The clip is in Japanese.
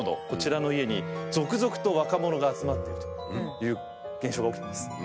こちらの家に続々と若者が集まってるという現象が起きてます。